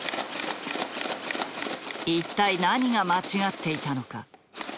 一体何が間違っていたのか。